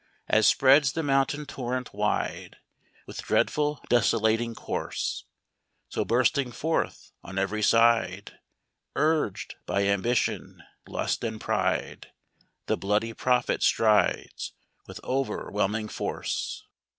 As spreads the mountain torrent wide, With dreadful desolating course; So bursting forth on every side, Urged by ambition, lust, and pride, The bloody prophet strides, with overwhelming force.